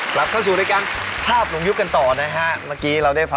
กลับเข้าสู่เรื่องภาพลุงยุคกันต่อนะครับ